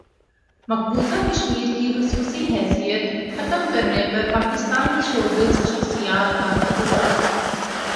مقبوضہ کشمیر کی خصوصی حیثیت ختم کرنے پر پاکستانی شوبز شخصیات کا احتجاج